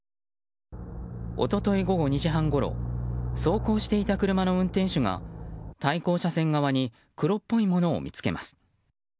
一昨日午後２時半ごろ走行していた車の運転手が対向車線側に黒っぽいものを見つけます。